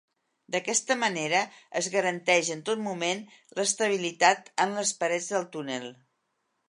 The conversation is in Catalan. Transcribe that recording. D'aquesta manera, es garanteix en tot moment l'estabilitat en les parets del túnel.